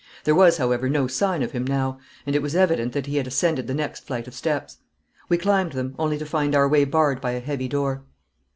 There was, however, no sign of him now, and it was evident that he had ascended the next flight of steps. We climbed them, only to find our way barred by a heavy door.